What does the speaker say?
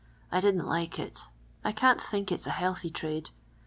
I didn't like it. I can't think it 's a healthy trade.